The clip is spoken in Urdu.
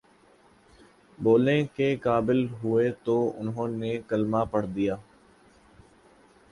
بولنے کے قابل ہوئے تو انہوں نے کلمہ پڑھادیا